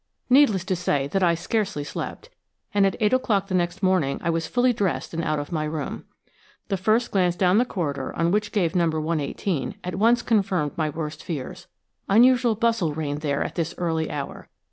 Needless to say that I scarcely slept, and at eight o'clock the next morning I was fully dressed and out of my room. The first glance down the corridor on which gave No. 118 at once confirmed my worst fears. Unusual bustle reigned there at this early hour.